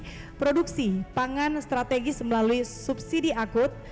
kemudian yang keempat adalah memperkuat pangan strategis melalui subsidi akut